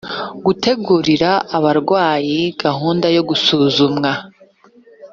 gutegurira abarwayi gahunda yo gusuzumwa